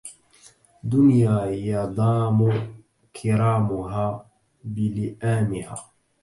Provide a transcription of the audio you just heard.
دنيا يضام كرامها بلئامها